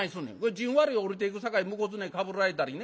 「じんわり下りていくさかい向こうずねかぶられたりね